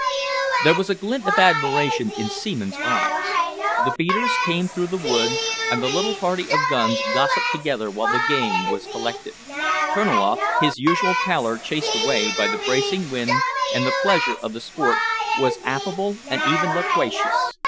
There was a glint of admiration in Seaman's eyes. The beaters came through the wood, and the little party of guns gossiped together while the game was collected. Terniloff, his usual pallor chased away by the bracing wind and the pleasure of the sport, was affable and even loquacious.